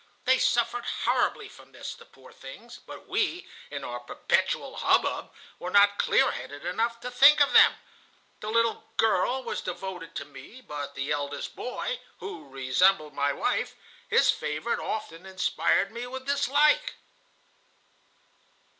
They suffered horribly from this, the poor things, but we, in our perpetual hubbub, were not clear headed enough to think of them. The little girl was devoted to me, but the eldest boy, who resembled my wife, his favorite, often inspired me with dislike."